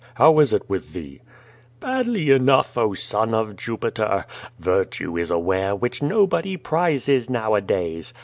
"How is it with thee?" "Badly enough, oh, son of Jupiter! Virtue is a ware which nobody prizes nowadays.